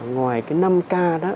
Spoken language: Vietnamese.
ngoài cái năm k đó